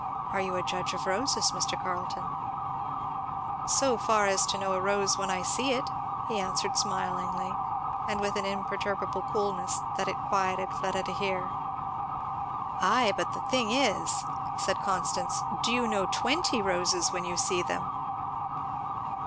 "Are you a judge of roses, Mr. Carleton?" "So far as to know a rose when I see it," he answered smiling, and with an imperturbable coolness that it quieted Fleda to hear. [Illustration: "I am sure Mr. Thorn will excuse me."] "Ay, but the thing is," said Constance, "do you know twenty roses when you see them?"